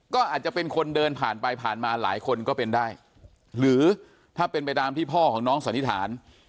ก็อาจจะเป็นคนเดินผ่านไปผ่านมาหลายคนก็เป็นได้หรือถ้าเป็นไปตามที่พ่อของน้องสันนิษฐาน